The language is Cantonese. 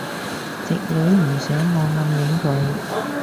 直女唔想我暗戀佢